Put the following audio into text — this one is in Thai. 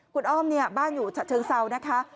คุณอ้อมเนี่ยบ้านอยู่ฉะเชิงเซานะคะ